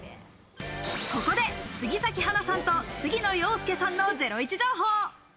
ここで杉咲花さんと杉野遥亮さんのゼロイチ情報。